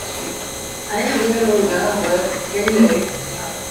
ائيٚݩ اُئي رو ويٚنهآݩ با ڪئيٚل اهي